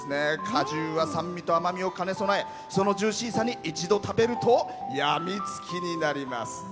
果汁は酸味と甘みを兼ね備えそのジューシーさに一度食べると病みつきになります。